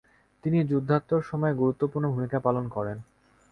তিনি যুদ্ধোত্তর সময়ে গুরুত্বপূর্ণ ভূমিকা পালন করেন।